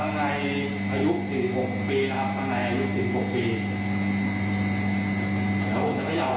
ตั้งในอายุสี่หกปีถ้าผมจะขย่าวเล็กขย่าวดีกว่า